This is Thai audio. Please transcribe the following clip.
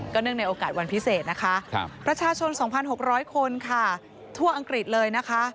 เนื่องในโอกาสวันพิเศษนะคะประชาชน๒๖๐๐คนค่ะทั่วอังกฤษเลยนะคะ